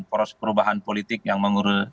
perubahan politik yang